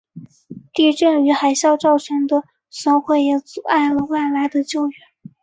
地震与海啸造成的损毁也阻碍了外来的救援。